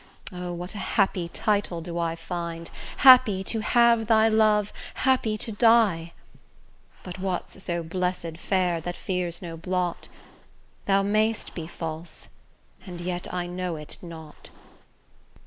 O! what a happy title do I find, Happy to have thy love, happy to die! But what's so blessed fair that fears no blot? Thou mayst be false, and yet I know it not.